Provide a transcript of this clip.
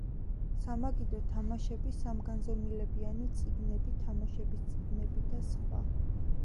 სამაგიდო თამაშები, სამგანზომილებიანი წიგნები, თამაშების წიგნები და სხვა.